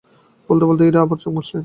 বলতে-বলতে ইরা আবার চোখ মুছলেন।